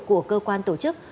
của cơ quan tổ chức